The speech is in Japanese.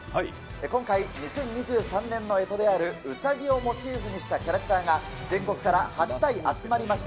今回、２０２３年のえとであるうさぎをモチーフにしたキャラクターが全国から８体集まりました。